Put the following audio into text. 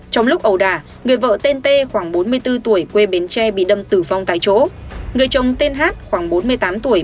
trong lúc ẩu đà người vợ tên tê khoảng bốn mươi bốn tuổi quê bến tre bị đâm tử vong tại chỗ người chồng tên hát khoảng bốn mươi tám tuổi